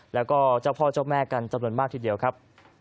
แล้วก็เจ้าพ่อเจ้าแม่กันจำนวนมากทีเดียวครับ